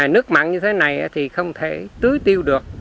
nước mặn như thế này thì không thể tưới tiêu được